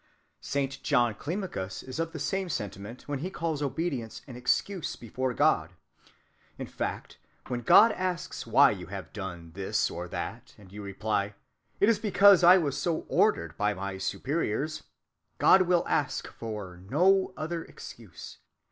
"Saint John Climachus is of the same sentiment when he calls obedience an excuse before God. In fact, when God asks why you have done this or that, and you reply, it is because I was so ordered by my Superiors, God will ask for no other excuse.